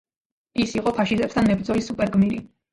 ის იყო ფაშისტებთან მებრძოლი სუპერგმირი.